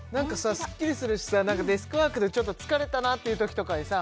すっきりするしさデスクワークでちょっと疲れたなっていうときとかにさ